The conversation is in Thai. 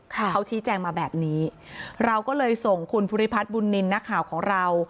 เขาชี้แจงมาแบบนี้เราก็เลยส่งคุณภูริพัฒน์บุญนินทร์นักข่าวของเรา